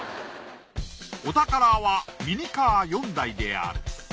お宝はミニカー４台である。